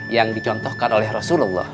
yang dicontohkan oleh rasulullah